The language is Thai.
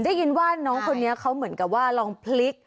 ได้ยินว่าน้องคนนี้เขาเหมือนกับว่าลองพลิก